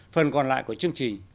phần còn lại của chương trình